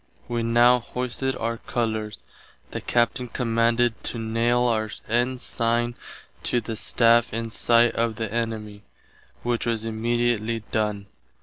Wee now hoisted our colours. The Captain commanded to naile our Ensigne to the staff in sight of the enimie, which was immediately done.